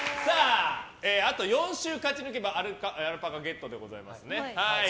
あと４週勝ち抜けばアルパカゲットでございます。